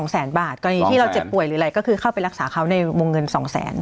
แสนบาทกรณีที่เราเจ็บป่วยหรืออะไรก็คือเข้าไปรักษาเขาในวงเงิน๒แสน